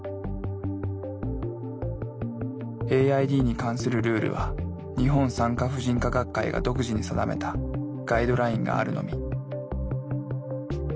ＡＩＤに関するルールは日本産科婦人科学会が独自に定めたガイドラインがあるのみ。